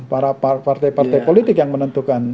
para partai partai politik yang menentukan